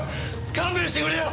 勘弁してくれよ！